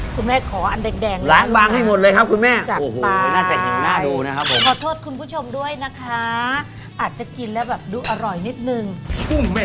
คุณแม่ขออันแดงมากมากล้างบางให้หมดเลยครับคุณแม่